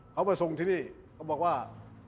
เขามาส่งที่นี่เขาบอกว่า